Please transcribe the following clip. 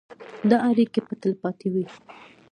دا اړیکې به تلپاتې وي.